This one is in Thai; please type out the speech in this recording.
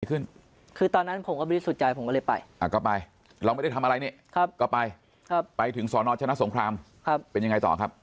ขึ้นคือตอนนั้นผมก็ไม่รู้สุดใจผมก็เลยไปอะก็ไปเราไม่ได้ทำอะไรนะ